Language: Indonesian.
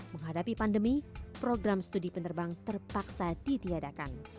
menghadapi pandemi program studi penerbang terpaksa ditiadakan